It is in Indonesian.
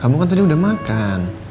kamu kan tadi udah makan